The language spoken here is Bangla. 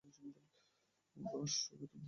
আর আসলে, তোমায় খুঁজে পাওয়া বড় মুশকিল।